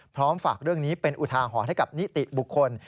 ฝากเรื่องนี้เป็นอุทาหรณ์ให้กับนิติบุคคล